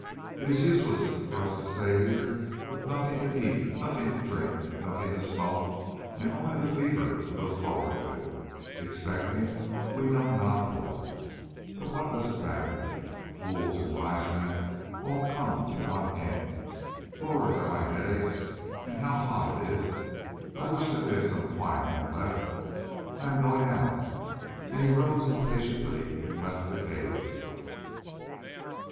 It is useless for us to stay here with nothing to eat, nothing to drink, nothing to smoke, and only the fever to look forward to, expecting we know not what. But what does it matter? Fools and wise men all come to one end. Lord! how my head aches and how hot it is! I wish that we had some quinine left. I am going out," and he rose impatiently and left the cave.